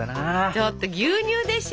ちょっと牛乳でしょ。